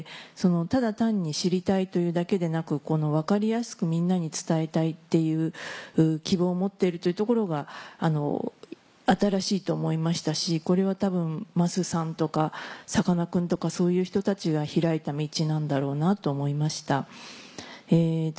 ただ単に知りたいというだけでなく分かりやすくみんなに伝えたいっていう希望を持っているというところが新しいと思いましたしこれは多分桝さんとかさかなクンとかそういう人たちが開いた道なんだろうなと思いました。